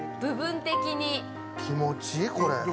気持ちいい、これ。